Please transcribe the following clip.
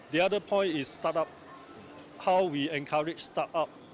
bagaimana kita memperkenalkan startup